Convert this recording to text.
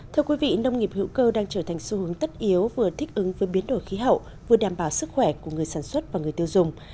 thưa quý vị nông nghiệp hữu cơ đang trở thành xu hướng tất yếu vừa thích ứng với biến đổi khí hậu vừa đảm bảo sức khỏe của người sản xuất và người tiêu dùng